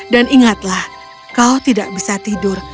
dan ingatlah kau tidak bisa tidur